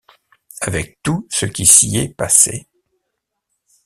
avec tout ce qui s'y est passé.